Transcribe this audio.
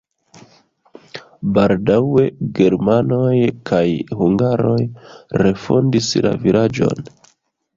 Baldaŭe germanoj kaj hungaroj refondis la vilaĝon.